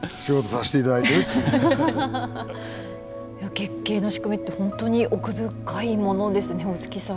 月経の仕組みって本当に奥深いものですね大槻さん。